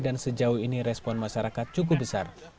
dan sejauh ini respon masyarakat cukup besar